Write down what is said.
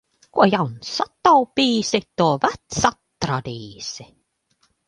Ko jauns sataupīsi, to vecs atradīsi.